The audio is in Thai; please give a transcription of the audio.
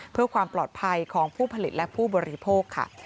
เพื่อความปลอดภัยของผู้ผลิตและผู้บริโภคค่ะ